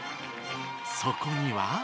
そこには。